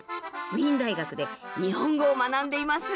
ウィーン大学で日本語を学んでいます。